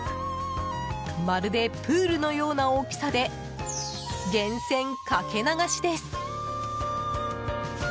まるでプールのような大きさで源泉かけ流しです。